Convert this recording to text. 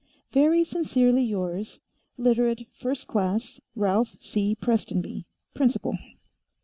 Very sincerely yours, Literate First Class Ralph C. Prestonby, Principal."